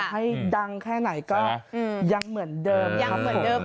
ให้ดังแค่ไหนก็ยังเหมือนเดิมยังเหมือนเดิม